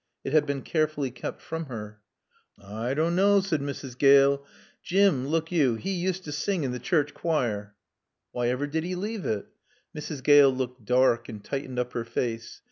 It had been carefully kept from her. "I doan knaw," said Mrs. Gale. "Jim, look yo, 'e useter sing in t' Choorch choir." "Why ever did he leave it?" Mrs. Gale looked dark and tightened up her face.